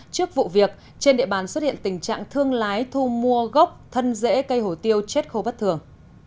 trước vụ việc trên địa bàn xuất hiện tình trạng thương lái thu mua gốc thân dễ cây hổ tiêu chết khô bất thường